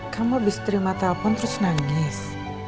kamu habis terima telepon terus nangis